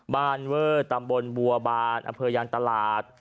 บ้านเวิร์ดตำบลบัวบาทอเภยันตลาด